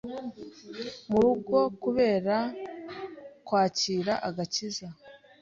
mu rugo kubera kwakira agakiza,